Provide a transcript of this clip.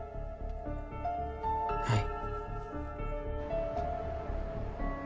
はい。